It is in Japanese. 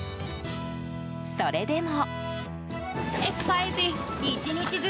それでも。